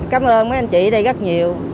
cảm ơn mấy anh chị ở đây rất nhiều